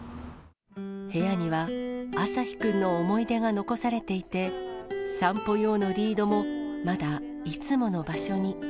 部屋にはあさひくんの思い出が残されていて、散歩用のリードも、まだいつもの場所に。